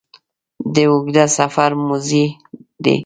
د اوږده سفر موزې دي